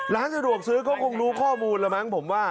ร้านสะดวกซื้อก็คงรู้ข้อมูลแล้วมั้งผมว่า